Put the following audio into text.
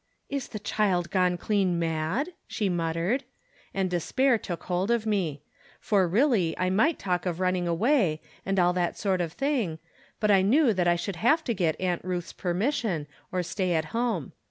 "Is the child gone clean mad ?" she muttered. And despair took hold of me ; for, really, I might talk of running away, and all that sort of tiling, but I knew that I should have to get Aunt Ruth's permission, or stay at home.